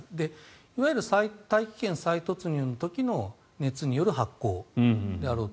いわゆる大気圏再突入時の熱による発光だろうと。